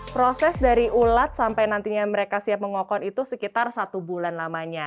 proses dari ulat sampai nantinya mereka siap mengokon itu sekitar satu bulan lamanya